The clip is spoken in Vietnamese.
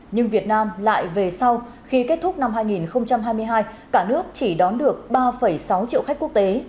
nhưng việt nam lại về sau khi kết thúc năm hai nghìn hai mươi hai cả nước chỉ đón được ba sáu triệu khách quốc tế